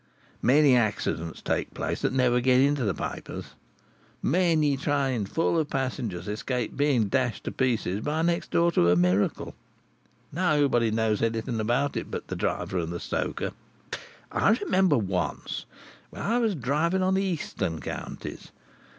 "Many accidents take place that never get into the papers; many trains, full of passengers, escape being dashed to pieces by next door to a miracle. Nobody knows anything about it but the driver and the stoker. I remember once, when I was driving on the Eastern Counties.